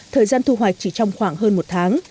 thời gian thu hoạch chỉ trong khoảng hơn một tháng